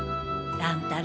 乱太郎！